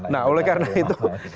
nah oleh karena itu